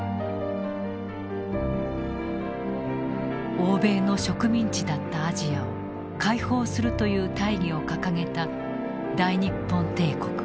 欧米の植民地だったアジアを解放するという大義を掲げた大日本帝国。